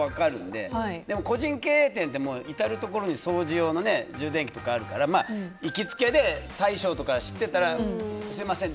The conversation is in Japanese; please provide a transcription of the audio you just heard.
だけど個人経営店で、至るところに掃除用の充電器とかあるから行きつけの大将とか知ってたらすみません